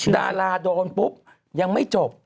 ดาราโดนปุ๊บยังไม่จบ